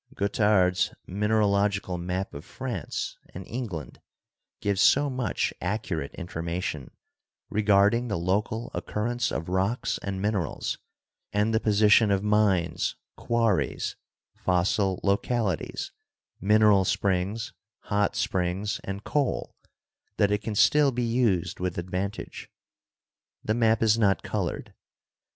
Guettard's mineralogical map of France and England gives so much accurate information regarding the local occurrence of rocks and minerals and the position of mines, quarries, fossil localities, mineral springs, hot springs and coal that it can still be used with advantage. The map is not colored.